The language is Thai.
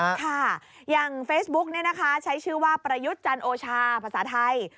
ใช่ค่ะอย่างเฟซบุ๊คใช้ชื่อว่าประยุทธ์จันโอชาภาษาไทย